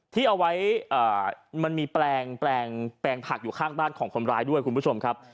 ที่เอาไว้มันมีแปลงผักอยู่ข้างบ้านของคนร้ายด้วยคุณผู้ชมครับ